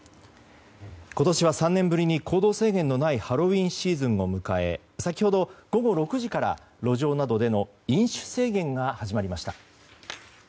今年は３年ぶりに行動制限のないハロウィーンシーズンを迎え先ほど、午後６時から路上などでの飲酒制限が始まりました。